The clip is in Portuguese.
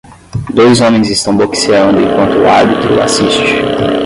Dois homens estão boxeando enquanto o árbitro assiste.